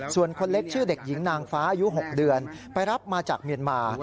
ส่วนคนเล็กชื่อเด็กหญิงนางฟ้าอายุ๖เดือนไปรับมาจากเมียนมา